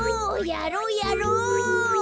やろうやろう！